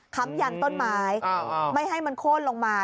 คำยันต้นไม้ไม่ให้มันโค้นลงมา